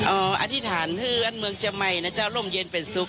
โอ้ออออธิษฐานคืออันเมืองจมัยนะเจ้าร่มยึนเป็นสุข